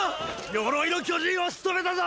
鎧の巨人を仕留めたぞ！！